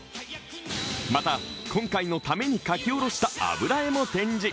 また、今回のために描き下ろした油絵も展示。